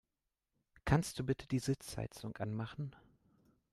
Kannst du bitte die Sitzheizung anmachen?